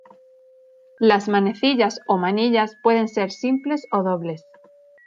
Las manecillas o manillas pueden ser simples o dobles.